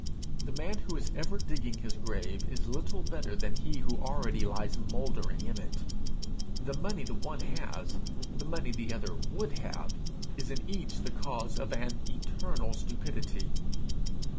The man who is ever digging his grave is little better than he who already lies mouldering in it. The money the one has, the money the other would have, is in each the cause of an eternal stupidity.